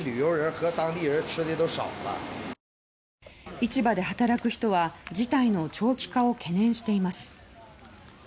市場で働く人は事態の長期化を懸念しています。